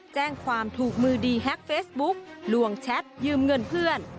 แจ้งความถูกมือดีแฮ็กเฟซบุ๊กลวงแชทยืมเงินเพื่อน